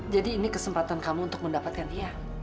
jadi ini kesempatan kamu untuk mendapatkan dia